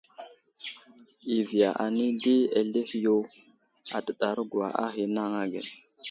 I viya anay di, azlehe yo adəɗargwa a ghay anaŋ age.